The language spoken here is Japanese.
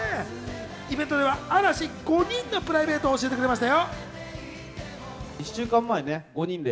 イベントでは嵐５人のプライベートを教えてくれましたよ。